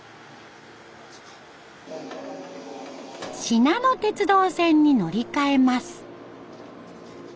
しなの鉄道線に乗り換えます。